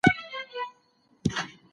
هغه د انګورو په خوړلو بوخت دی.